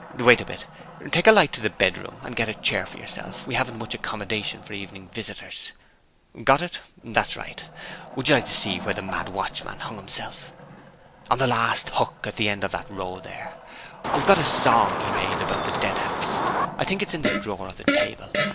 Wait a bit! Take the light into the bedroom, and get a chair for yourself we haven't much accommodation for evening visitors. Got it? that's right. Would you like to see where the mad watchman hung himself? On the last hook at the end of the row there. We've got a song he made about the Deadhouse. I think it's in the drawer of the table.